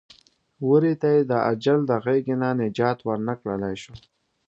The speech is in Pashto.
وري ته یې د اجل د غېږې نه نجات ور نه کړلی شو.